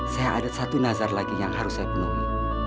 saya ada satu nazar lagi yang harus saya penuhi